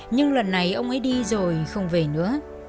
nhưng lần này ông ấy đi rồi không về nữa